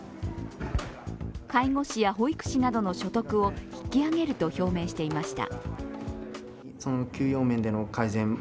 介護士や保育士などの所得を引き上げると表明していました。